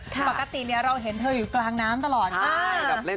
ปกติเราเห็นเธออยู่กลางน้ำตลอด